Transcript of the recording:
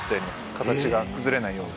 形が崩れないように。